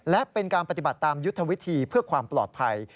และเป็นการปฏิบัติตามยุทธวิธีเพื่อความปลอดภัย